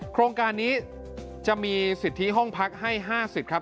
โครงการนี้จะมีสิทธิห้องพักให้๕๐ครับ